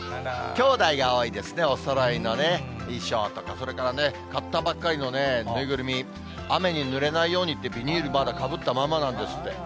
きょうだいが多いですね、おそろいのね、衣装とか、それから買ったばかりの縫いぐるみ、雨にぬれないようにって、ビニールまだかぶったままなんですって。